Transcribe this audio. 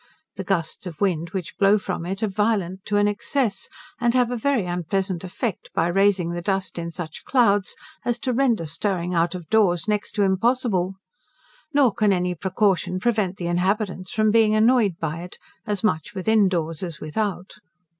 The gusts of wind which blow from it are violent to an excess, and have a very unpleasant effect, by raising the dust in such clouds, as to render stirring out of doors next to impossible. Nor can any precaution prevent the inhabitants from being annoyed by it, as much within doors as without.